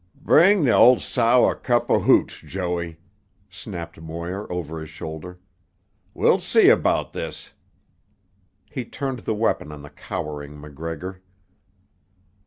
"Bring tuh old sow a cup of hooch, Joey," snapped Moir over his shoulder. "Wilt see about this." He turned the weapon on the cowering MacGregor.